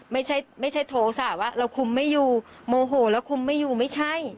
ไม่ใช่ไม่ใช่โทษะว่าเราคุมไม่อยู่โมโหแล้วคุมไม่อยู่ไม่ใช่